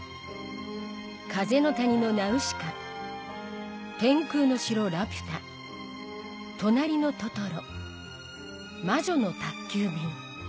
『風の谷のナウシカ』『天空の城ラピュタ』『となりのトトロ』『魔女の宅急便』